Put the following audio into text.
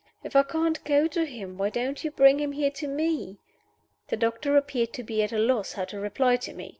"If I can't go to him, why don't you bring him here to me?" The doctor appeared to be at a loss how to reply to me.